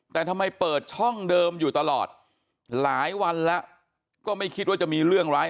แต่ทำไมเปิดช่องเดิมอยู่ตลอดหลายวันแล้วก็ไม่คิดว่าจะมีเรื่องร้าย